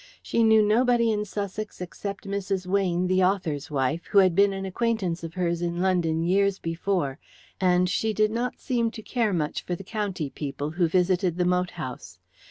She knew nobody in Sussex except Mrs. Weyne, the author's wife, who had been an acquaintance of hers in London years before, and she did not seem to care much for the county people who visited the moat house.